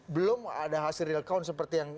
belum ada hasil real count seperti yang